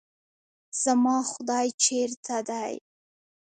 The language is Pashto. زما خداے چرته دے؟